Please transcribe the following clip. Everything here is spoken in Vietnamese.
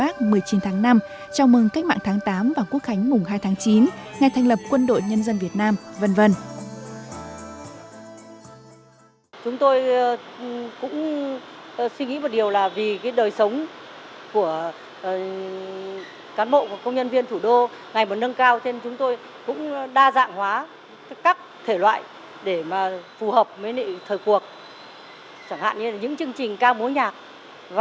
chào mừng cách mạng tháng tám và quốc khánh mùng hai tháng chín ngày thành lập quân đội nhân dân việt nam v v